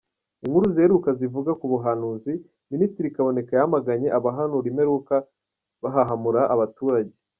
Inkuru ziheruka zivuga ku buhanuzi: Minisitiri Kaboneka yamaganye abahanura imperuka bahahamura abaturage.